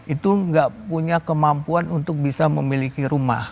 itu nggak punya kemampuan untuk bisa memiliki rumah